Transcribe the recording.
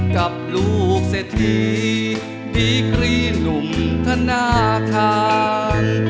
กับลูกเศรษฐีดีกรีหนุ่มธนาคาร